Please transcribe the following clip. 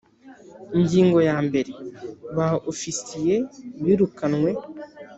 Ingingo ya mbere Ba Ofisiye birukanwe